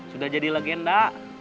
sudah jadi legenda